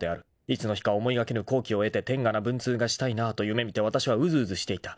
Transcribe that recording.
いつの日か思いがけぬ好機を得て典雅な文通がしたいなぁと夢見てわたしはうずうずしていた］